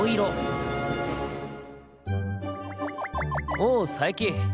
おう佐伯！